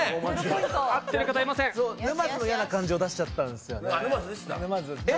沼津の嫌な感じを出しちゃったんですよね。